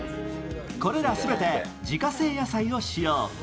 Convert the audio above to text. これら全て自家製野菜を使用。